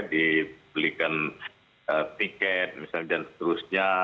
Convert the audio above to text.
dibelikan tiket misalnya dan seterusnya